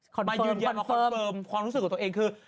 คอนเฟิร์มคอนเฟิร์มคอนเฟิร์มความรู้สึกของตัวเองคือ